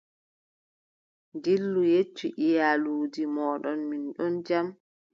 Dillu, yeccu iyaluuji mooɗon, min ɗon jam.